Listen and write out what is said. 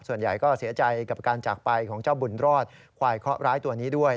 ส่วนใหญ่ก็เสียใจกับการจากไปของเจ้าบุญรอดควายเคาะร้ายตัวนี้ด้วย